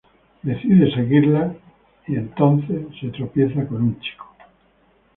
Decide seguirla y entonces se tropieza con un chico.